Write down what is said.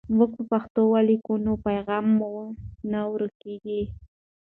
موږ په پښتو ولیکو نو پیغام مو نه ورکېږي.